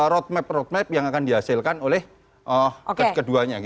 roadmap roadmap yang akan dihasilkan oleh keduanya